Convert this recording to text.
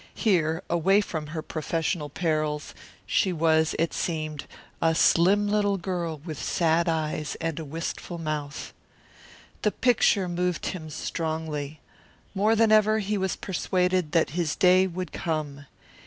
Here, away from her professional perils, she was, it seemed, "a slim little girl with sad eyes and a wistful mouth." The picture moved him strongly. More than ever he was persuaded that his day would come.